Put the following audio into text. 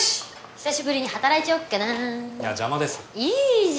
久しぶりに働いちゃおっかないや邪魔ですいいじゃん